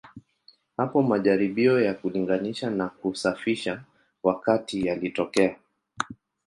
Hapo majaribio ya kulinganisha na kusafisha wakati yalitokea.